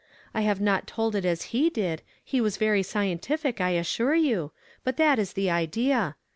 I liave not told it as he did ; he was very scientific, I assure you, but that is the idea.